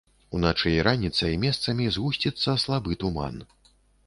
Уначы і раніцай месцамі згусціцца слабы туман.